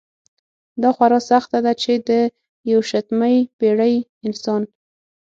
دا خورا سخته ده چې د یویشتمې پېړۍ انسان.